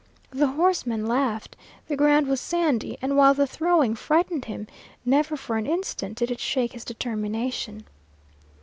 The horseman laughed. The ground was sandy, and while the throwing frightened him, never for an instant did it shake his determination.